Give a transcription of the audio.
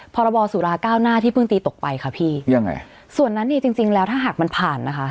พรบสุรา๙หน้าที่เพิ่งตีตกไปค่ะพี่ส่วนนั้นจริงแล้วถ้าหากมันผ่านนะคะ